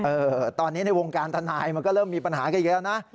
ตอนนี้ในวงการทนายมันก็เริ่มมีปัญหากันเยอะแล้วนะ